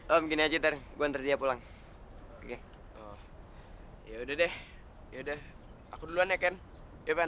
om gini aja tergantung dia pulang oke ya udah deh ya udah aku duluan ya ken iban